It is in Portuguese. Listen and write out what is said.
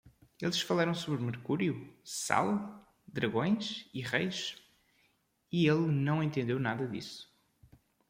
Eles falaram sobre mercúrio? sal? dragões? e reis? e ele não entendeu nada disso.